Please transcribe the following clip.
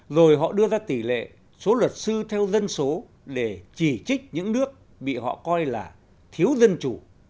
rồi họ đưa ra tỷ lệ số luật sư theo dân số để chỉ trích những nước bị họ coi là thiếu dân chủ